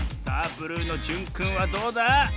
ブルーのじゅんくんはどうだ？